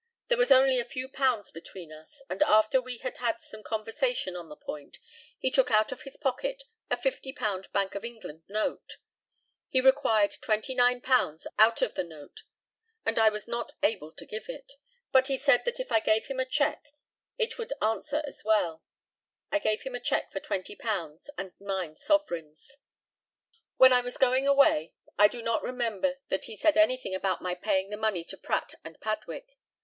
There was only a few pounds between us, and after we had had some conversation on the point he took out of his pocket a £50 Bank of England note. He required £29 out of the note; and I was not able to give it; but he said that if I gave him a cheque it would answer as well. I gave him a cheque for £20, and nine sovereigns. When I was going away I do not remember that he said anything about my paying the money to Pratt and Padwick.